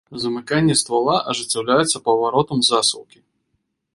Замыканне ствала ажыццяўляецца паваротам засаўкі.